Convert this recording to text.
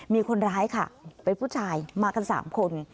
มีคนร้ายค่ะเป็นผู้ชายมากัน๓คน